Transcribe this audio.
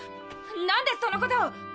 なんでそのことを！？